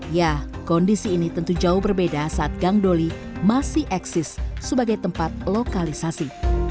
ya kondisi ini tentu jauh berbeda saat gangdoli masih eksis sebagai tempat lokalisasi